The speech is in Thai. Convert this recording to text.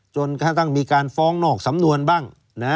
จนกระทั่งมีการฟ้องนอกสำนวนบ้าง